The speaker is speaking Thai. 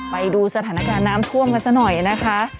ไปดูสถานการณ์น้ำท่วมกันซะหน่อยนะคะ